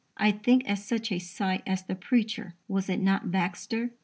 I think at such a sight, as the preacher was it not Baxter?